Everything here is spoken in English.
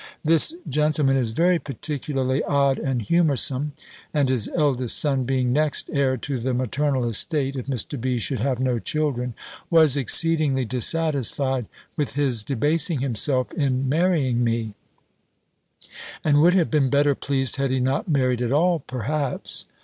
This gentleman is very particularly odd and humoursome: and his eldest son being next heir to the maternal estate, if Mr. B. should have no children, was exceedingly dissatisfied with his debasing himself in marrying me; and would have been better pleased had he not married at all, perhaps.